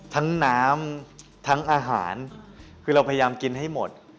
น้ำทั้งอาหารคือเราพยายามกินให้หมด